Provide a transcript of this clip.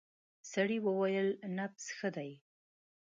سړی وویل نبض ښه دی.